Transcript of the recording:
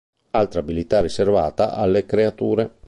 Altra abilità riservata alle creature.